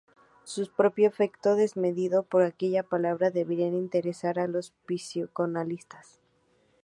Su propio afecto desmedido por aquella palabra debería interesar a los psicoanalistas.